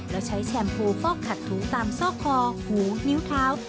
แล้วใช้แชมโพลฟอกขัดถูตามซอกคอหูนิ้วเท้า